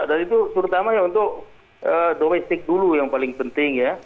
dan itu terutama untuk domestik dulu yang paling penting ya